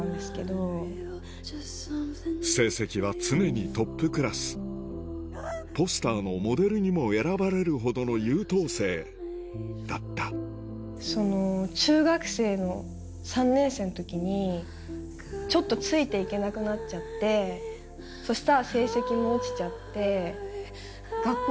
成績は常にトップクラスポスターのモデルにも選ばれるほどの優等生だった中学３年生の時にあんまり学校に行けなくなっちゃったんですよ。